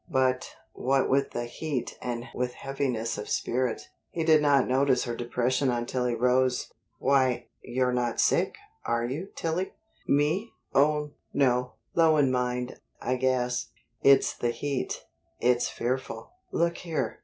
But, what with the heat and with heaviness of spirit, he did not notice her depression until he rose. "Why, you're not sick, are you, Tillie?" "Me? Oh, no. Low in my mind, I guess." "It's the heat. It's fearful. Look here.